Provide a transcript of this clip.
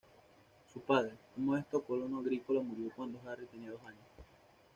Su padre, un modesto colono agrícola, murió cuando Harry tenía dos años.